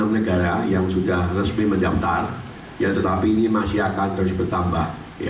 empat puluh enam negara yang sudah resmi menjabat tetapi ini masih akan terus bertambah